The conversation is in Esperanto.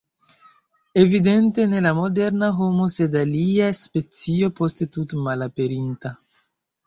Evidente ne la moderna homo, sed alia specio poste tute malaperinta.